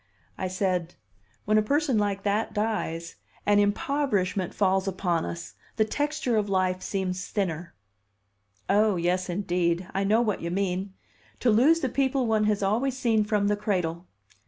I said: "When a person like that dies, an impoverishment falls upon us; the texture of life seems thinner." "Oh, yes, indeed! I know what you mean to lose the people one has always seen from the cradle.